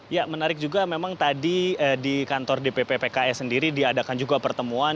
ya menarik juga memang tadi di kantor dpp pks sendiri diadakan juga pertemuan